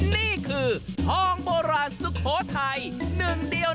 นี่คือทองโบราณสุโขทัย